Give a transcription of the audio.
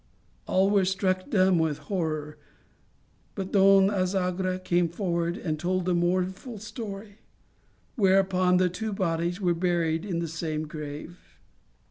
All were struck dumb with horror, but Don Azagra came forward and told the mourn ful story, whereupon the two bodies were buried in the same grave.